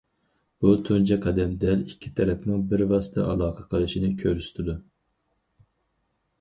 بۇ تۇنجى قەدەم دەل ئىككى تەرەپنىڭ بىۋاسىتە ئالاقە قىلىشىنى كۆرسىتىدۇ.